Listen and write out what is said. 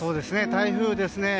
台風ですね